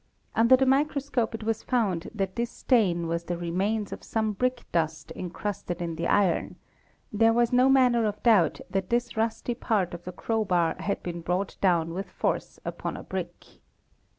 Under the i microscope it was found that this stain was the remains of some brick _ dust incrusted in the iron; there was no manner of doubt that this rusty part of the crowbar had been brought down with force upon a brick.